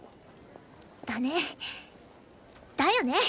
だねだよね。